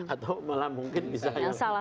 atau malah mungkin bisa yang salah